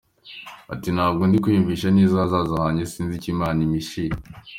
Ati “Ntabwo ndi kwiyumvisha neza ahazaza hanjye, sinzi icyo Imana impishiye.